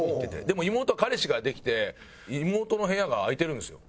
でも妹は彼氏ができて妹の部屋が空いてるんですよ。